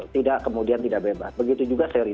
tidak kemudian tidak bebas begitu juga seri